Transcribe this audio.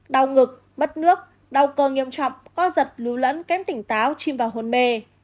đau ngực mất nước đau cơ nghiêm trọng co giật lú lẫn kém tỉnh táo chim vào hồn mê